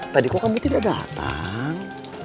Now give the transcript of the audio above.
tadi kok kami tidak datang